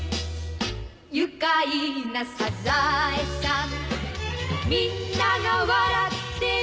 「愉快なサザエさん」「みんなが笑ってる」